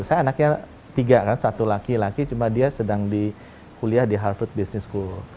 saya anaknya tiga kan satu laki laki cuma dia sedang di kuliah di harvard business school